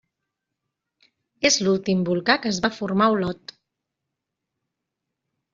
És l'últim volcà que es va formar a Olot.